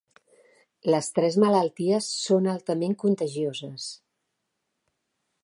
Les tres malalties són altament contagioses.